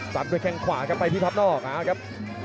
จัดด้วยแข่งขวาครับไปที่พับนอกครับ